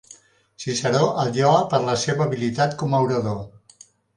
Ciceró el lloa per la seva habilitat com a orador.